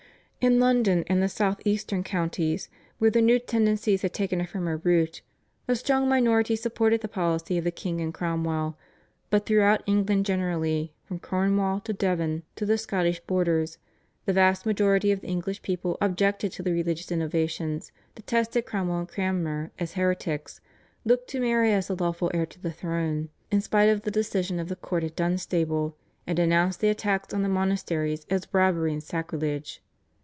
In London and the south eastern counties, where the new tendencies had taken a firmer root, a strong minority supported the policy of the king and Cromwell, but throughout England generally, from Cornwall and Devon to the Scottish borders, the vast majority of the English people objected to the religious innovations, detested Cromwell and Cranmer as heretics, looked to Mary as the lawful heir to the throne in spite of the decision of the court of Dunstable, and denounced the attacks on the monasteries as robbery and sacrilege.